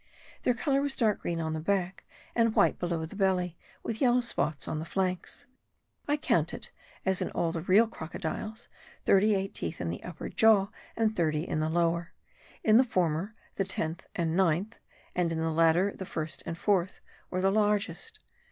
their colour was dark green on the back, and white below the belly, with yellow spots on the flanks. I counted, as in all the real crocodiles, thirty eight teeth in the upper jaw, and thirty in the lower; in the former, the tenth and ninth; and in the latter, the first and fourth, were the largest.